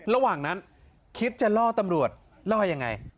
ระหว่างนั้นคิดจะล่อตำรวจล่อยังไง